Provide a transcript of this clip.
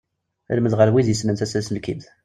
Lmed ɣer wid yessnen tasenselkimt.